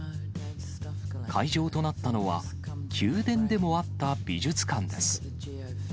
会場となったのは、宮殿でもあった美術館です。